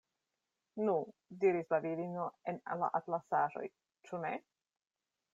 Nu, diris la virino en la atlasaĵoj, ĉu ne?